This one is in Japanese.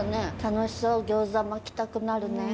楽しそう餃子巻きたくなるね。